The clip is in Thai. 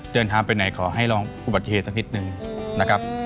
เดินทางไปไหนขอให้ลองอุบัติเหตุสักนิดนึงนะครับ